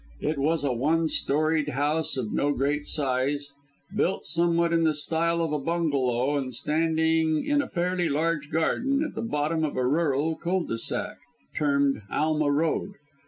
It was a one storeyed house of no great size, built somewhat in the style of a bungalow, and standing in a fairly large garden, at the bottom of a rural cul de sac, termed Alma Road.